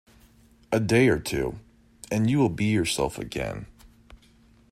A day or two, and you will be yourself again.